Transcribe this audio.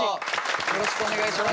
よろしくお願いします。